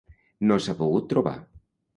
No s'ha pogut trobar.